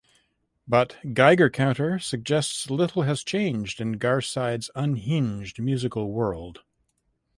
But "Geiger Counter" suggests little has changed in Garside’s unhinged musical world.